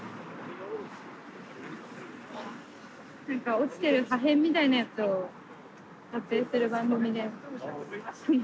落ちてる破片みたいなやつを撮影する番組で。